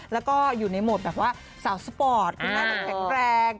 แล้วก็อยู่ในโหมดแบบว่าสาวสปอร์ตคุณแม่แกร่ง